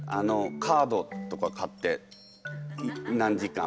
カードとか買って何時間。